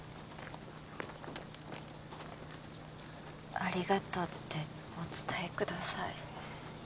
ありがとうってお伝えください